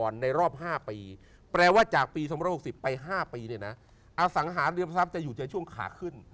ในรอบ๕ปีแปลว่าจากปี๒๖๐ไป๕ปีเนี่ยนะอสังหาริมทรัพย์จะอยู่ในช่วงขาขึ้น